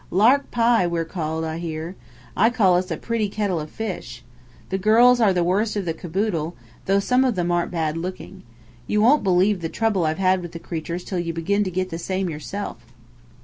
'Lark Pie,' we're called, I hear. I call us a 'Pretty Kettle of Fish!' The girls are the worst of the caboodle, though some of 'em aren't bad looking. You won't believe the trouble I've had with the creatures till you begin to get the same yourself."